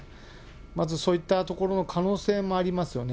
まずそういったところの可能性もありますよね。